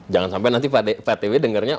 jangan sampai nanti pak twi dengarnya